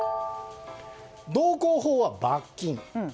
道交法は罰金。